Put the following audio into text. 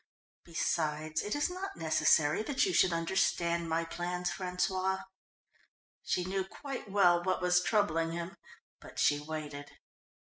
Besides, it is not necessary that you should understand my plans, François." She knew quite well what was troubling him, but she waited.